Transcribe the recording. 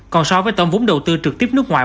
còn so với tổng vốn đầu tư trực tiếp nước ngoài